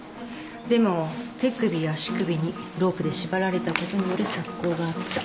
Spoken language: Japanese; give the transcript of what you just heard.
でも手首足首にロープで縛られたことによる索溝があった。